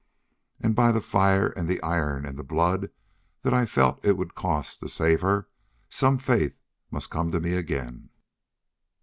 And by the fire and the iron and the blood that I felt it would cost to save her some faith must come to me again....